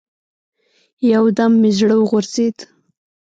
يو دم مې زړه وغورځېد.